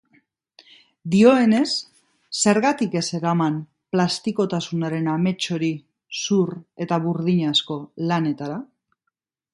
Dioenez, zergatik ez eraman plastikotasunaren amets hori zur eta burdinazko lanetara?